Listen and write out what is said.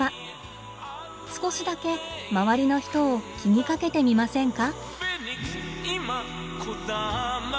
少しだけ周りの人を気にかけてみませんか？